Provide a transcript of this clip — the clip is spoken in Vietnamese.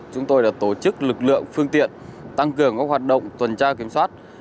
chúng tôi đã tổ chức lực lượng phương tiện tăng cường các hoạt động tuần tra kiểm soát